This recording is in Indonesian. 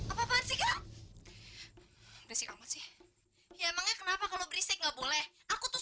apa apaan sih berisik amat sih emangnya kenapa kalau berisik nggak boleh aku tuh